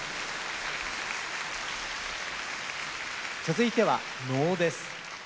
続いては能です。